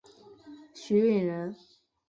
许允人。